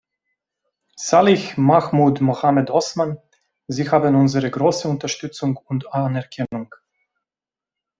Salih Mahmoud Mohamed Osman, Sie haben unsere große Unterstützung und Anerkennung!